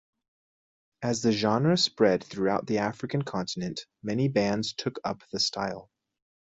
As the genre spread throughout the African continent many bands took up the style.